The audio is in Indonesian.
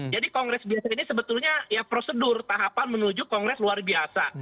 jadi kongres biasa ini sebetulnya ya prosedur tahapan menuju kongres luar biasa